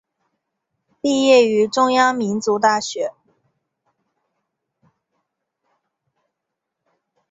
毕业于中央民族大学。